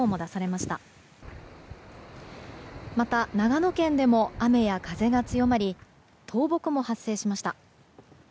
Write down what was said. また、長野県でも雨や風が強まり倒木も発生しました。